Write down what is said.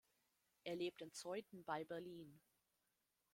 Er lebt in Zeuthen bei Berlin.